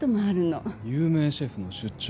有名シェフの出張。